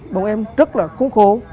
bọn em rất là khốn khố